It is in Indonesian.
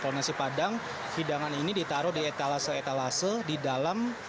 kalau nasi padang hidangan ini ditaruh di etalase etalase di dalam